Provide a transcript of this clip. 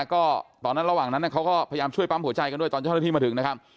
ก็ตอนนั้นระหว่างนั้นเขาก็พยายามช่วยปั๊มหัวใจกันด้วยตอนเจ้าหน้าที่มาถึงนะครับ